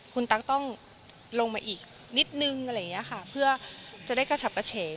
คุณตั๊กต้องลงมาอีกนิดหนึ่งเพื่อจะได้กระฉับกระเฉง